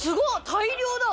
大量だ！